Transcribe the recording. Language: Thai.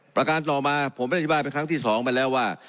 ประการต่อมาผมได้อธิบายเป็นครั้งที่๒ไปแล้วว่า